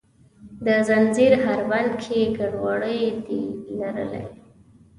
د ځنځیر هر بند کې کروړو دي کرلې،